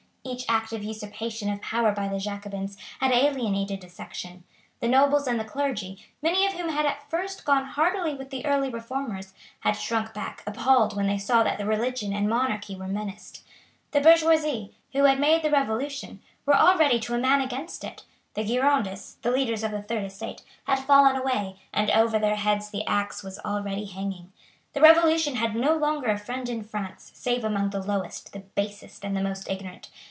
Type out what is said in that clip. Each act of usurpation of power by the Jacobins had alienated a section. The nobles and the clergy, many of whom had at first gone heartily with the early reformers, had shrunk back appalled when they saw that religion and monarchy were menaced. The bourgeoisie, who had made the Revolution, were already to a man against it; the Girondists, the leaders of the third estate, had fallen away, and over their heads the axe was already hanging. The Revolution had no longer a friend in France, save among the lowest, the basest, and the most ignorant.